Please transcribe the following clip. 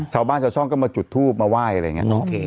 ชาวบ้านชาวช่องก็มาจุดทูปมาไหว้อะไรอย่างนี้